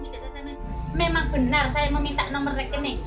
memang benar saya meminta nomor rekening